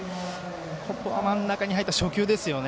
ここは真ん中に入った初球ですよね。